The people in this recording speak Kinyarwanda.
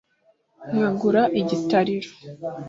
nkagura igitariro